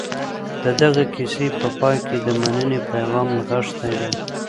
د دغي کیسې په پای کي د مننې پیغام نغښتی دی.